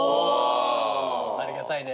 ありがたいね。